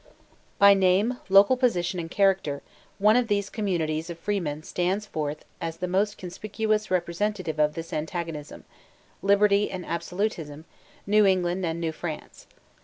By name, local position, and character, one of these communities of freemen stands forth as the most conspicuous representative of this antagonism, Liberty and Absolutism, New England and New France.